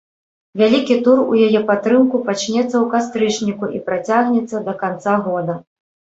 Вялікі тур у яе падтрымку пачнецца ў кастрычніку і працягнецца да канца года.